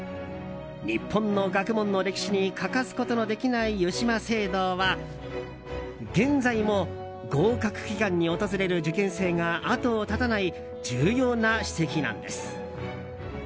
日本の学問の歴史に欠かすことのできない湯島聖堂は現在も合格祈願に訪れる受験生が後を絶たない重要な史跡なんです。